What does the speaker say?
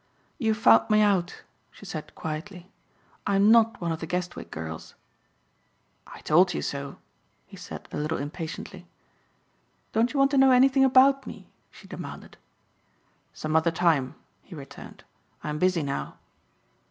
"You've found me out," she said quietly, "I'm not one of the Guestwick girls." "I told you so," he said a little impatiently. "Don't you want to know anything about me?" she demanded. "Some other time," he returned, "I'm busy now."